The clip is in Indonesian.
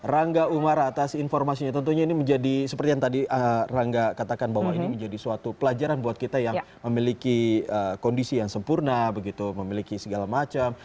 rangga umar atas informasinya tentunya ini menjadi seperti yang tadi rangga katakan bahwa ini menjadi suatu pelajaran buat kita yang memiliki kondisi yang sempurna begitu memiliki segala macam